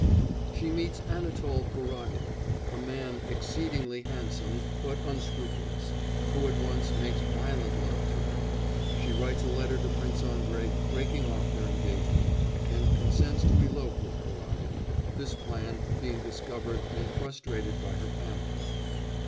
She meets Anatol Kuragin, a man exceedingly handsome but unscrupulous, who at once makes violent love to her; she writes a letter to Prince Andrei breaking off their engagement, and consents to elope with Kuragin, this plan being discovered and frustrated by her family.